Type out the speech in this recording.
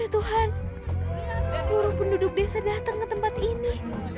tuhan seluruh penduduk desa datang ke tempat ini